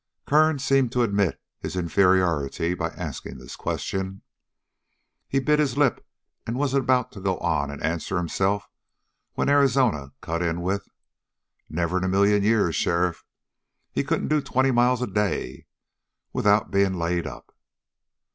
Kern seemed to admit his inferiority by asking this question. He bit his lip and was about to go on and answer himself when Arizona cut in with: "Never in a million years, sheriff. He couldn't do twenty miles in a day without being laid up."